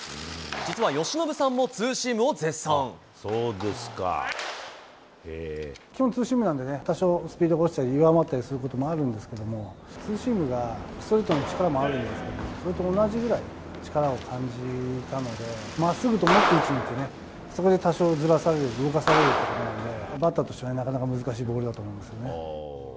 実は由伸さんも、ツーシーム基本、ツーシームなんでね、多少、スピードが落ちたり、弱まったりすることもあるんですけど、ツーシームがストレートの力があるんですけど、それと同じぐらい力を感じる球で、まっすぐと思って打ちにいって、そこで多少ずらされる、動かされると思うんで、バッターとしてはなかなか難しいボールだと思いますよね。